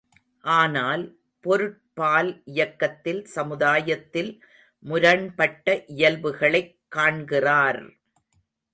ஆனால், பொருட்பால் இயக்கத்தில் சமுதாயத்தில் முரண்பட்ட இயல்புகளைக் காண்கின்றார்!